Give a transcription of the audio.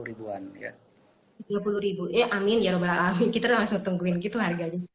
rp tiga puluh an ya amin ya rp tiga puluh an kita langsung tungguin gitu harganya